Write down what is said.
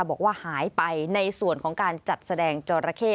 บอกว่าหายไปในส่วนของการจัดแสดงจอราเข้